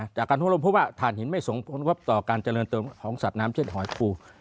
จากการหัวลมเพราะว่าฐานหินไม่ส่งผลงบต่อการเจริญเติบของสัตว์น้ำเช่นหอยคู